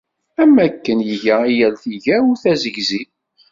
Am wakken iga i yal tigawt asegzi.